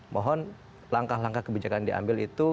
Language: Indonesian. mohon langkah langkah kebijakan diambil itu